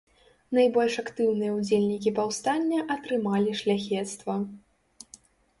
Найбольш актыўныя ўдзельнікі паўстання атрымалі шляхецтва.